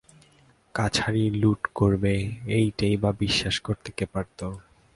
কাছারি লুঠ করবে এইটেই বা বিশ্বাস করতে কে পারত?